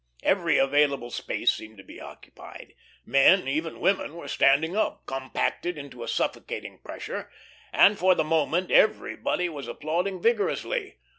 Every available space seemed to be occupied. Men, even women, were standing up, compacted into a suffocating pressure, and for the moment everybody was applauding vigorously.